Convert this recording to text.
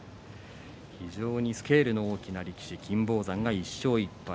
非常にスケールの大きな力士金峰山が１勝１敗。